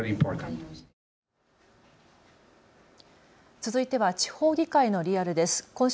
続いては地方議会のリアルです。